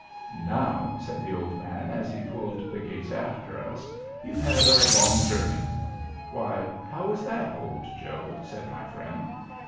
"Now," said the old man, as he pulled the gates after us, "you've had a long journey." "Why, how is that, Old Joe?" said my friend.